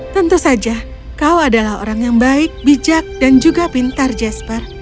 tentu saja kau adalah orang yang baik bijak dan juga pintar jasper